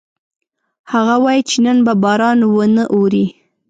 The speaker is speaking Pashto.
هغه وایي چې نن به باران ونه اوري